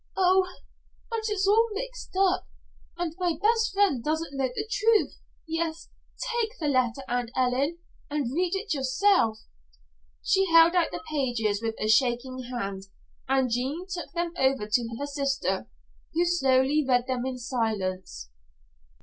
"Oh, but it's all mixed up and my best friend doesn't know the truth. Yes, take the letter, Aunt Ellen, and read it yourself." She held out the pages with a shaking hand, and Jean took them over to her sister, who slowly read them in silence.